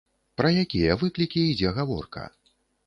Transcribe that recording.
Пра якія выклікі ідзе гаворка?